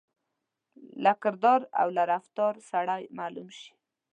له کردار او له ګفتار سړای معلوم شي.